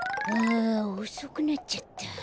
あおそくなっちゃった。